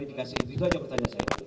itu aja pertanyaan saya